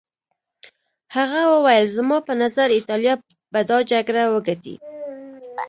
هغه وویل زما په نظر ایټالیا به دا جګړه وګټي.